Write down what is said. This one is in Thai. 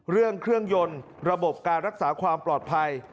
เรื่องเครื่องยนต์ระบบการรักษาความปลอดภัย